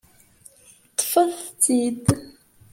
Ṭṭfet-t-id!